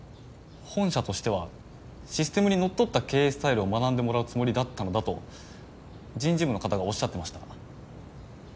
本社としてはシステムにのっとった経営スタイルを学んでもらうつもりだったのだと人事部の方がおっしゃってました。